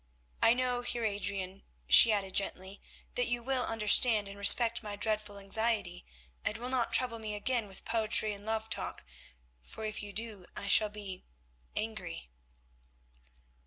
I know, Heer Adrian," she added gently, "that you will understand and respect my dreadful anxiety, and will not trouble me again with poetry and love talk, for if you do I shall be—angry."